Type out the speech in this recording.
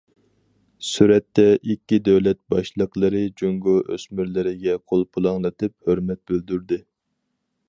سۈرەتتە ئىككى دۆلەت باشلىقلىرى جۇڭگو ئۆسمۈرلىرىگە قول پۇلاڭلىتىپ ھۆرمەت بىلدۈردى.